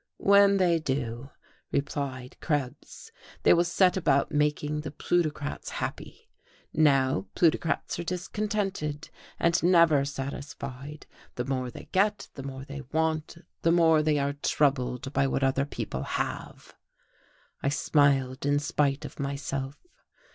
"When they do," replied Krebs, "they will set about making the plutocrats happy. Now plutocrats are discontented, and never satisfied; the more they get, the more they want, the more they are troubled by what other people have." I smiled in spite of myself.